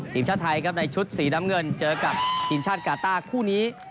ทีมชาติไทยครับในชุดสีน้ำเงินเจอกับทีมชาติกาต้าคู่นี้